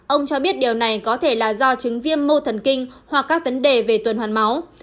ông cho biết điều này có thể là do chứng viêm mô thần kinh hoặc các vấn đề về tuần hoàn máu